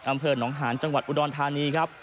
อำเภอหนองหาญจังหวัดอุดรธานีครับ